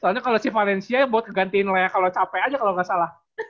soalnya kalau si valencia buat gantiin lea kalau capek aja kalau nggak salah